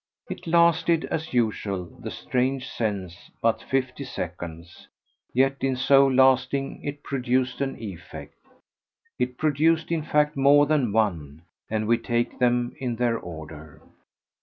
It lasted, as usual, the strange sense, but fifty seconds; yet in so lasting it produced an effect. It produced in fact more than one, and we take them in their order.